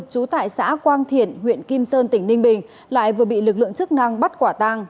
trú tại xã quang thiện huyện kim sơn tỉnh ninh bình lại vừa bị lực lượng chức năng bắt quả tàng